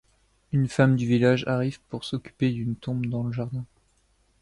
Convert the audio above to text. Une femme du village arrive pour s'occuper d'une tombe dans le jardin.